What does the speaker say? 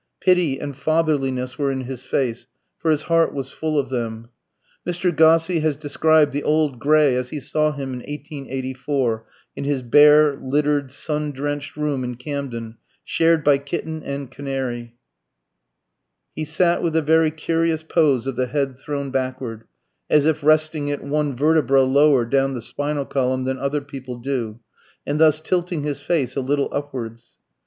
Pity and fatherliness were in his face, for his heart was full of them. Mr. Gosse has described "the old Gray" as he saw him in 1884, in his bare, littered sun drenched room in Camden, shared by kitten and canary: He sat with a very curious pose of the head thrown backward, as if resting it one vertebra lower down the spinal column than other people do, and thus tilting his face a little upwards.